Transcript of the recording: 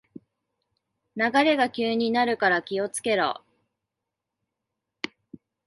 流れが急になるから気をつけろ